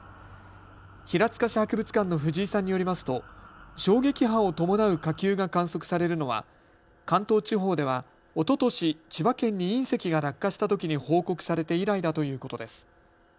平塚市博物館の藤井さんによりますと衝撃波を伴う火球が観測されるのは関東地方ではおととし千葉県に隕石が落下したときに報告されて以来だということです。